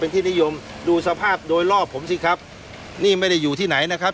ที่นิยมดูสภาพโดยรอบผมสิครับนี่ไม่ได้อยู่ที่ไหนนะครับ